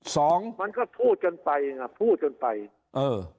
มันก็พูดกันไปน่ะพูดกันไปเออ